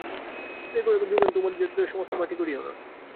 দেখো যোগেন, তুমি নিজের জেদ লইয়া সমস্ত মাটি করিয়ো না।